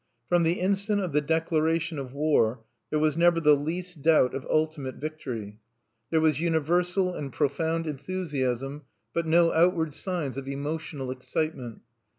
From the instant of the declaration of war there was never the least doubt of ultimate victory. There was universal and profound enthusiasm, but no outward signs of emotional excitement.